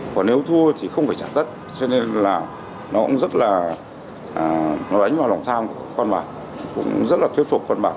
còn nếu thua thì không phải trả tất cho nên là nó cũng rất là nó đánh vào lòng tham con bạc cũng rất là thuyết phục con bạc